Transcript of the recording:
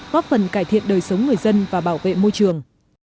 góp phần cải thiện đời sống người dân và bảo vệ môi trường